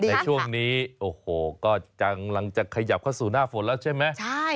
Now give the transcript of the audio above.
ในช่วงนี้โอ้โหก็กำลังจะขยับเข้าสู่หน้าฝนแล้วใช่ไหม